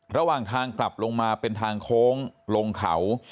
ระหว่างทางกลับลงมาเป็นทางโค้งลงเขา